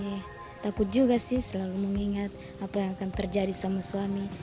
ya takut juga sih selalu mengingat apa yang akan terjadi sama suami